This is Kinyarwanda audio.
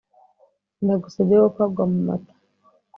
Ndagusabye wo kagwa mu mata